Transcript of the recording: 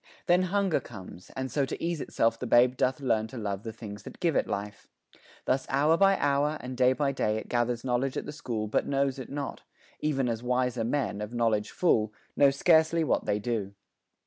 Then hunger comes; and so to ease Itself the babe doth learn to love the things That give it life. Thus hour by hour, and day By day it gathers knowledge at the school But knows it not even as wiser men, Of knowledge full, know scarcely what they do.